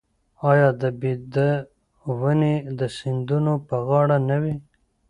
آیا د بید ونې د سیندونو په غاړه نه وي؟